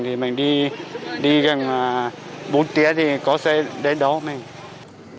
thì mình đi gần bốn tiếng thì có xe đến đó mình